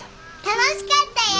楽しかったよ！